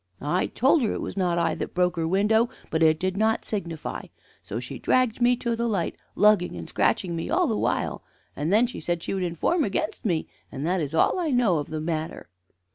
I told her it was not I that broke her window, but it did not signify; so she dragged me to the light, lugging and scratching me all the while, and then said she would inform against me. And that is all I know of the matter."